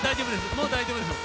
もう大丈夫ですよ。